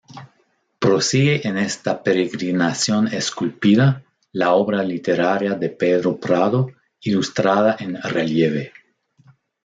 Prosigue en esta peregrinación esculpida, la obra literaria de Pedro Prado, ilustrada en relieve.